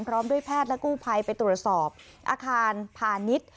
พร้อมด้วยแพทย์และกู้ภัยไปตรวจสอบอาคารพาณิชย์